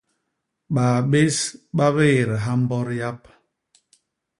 Baa bés ba biédha mbot yap.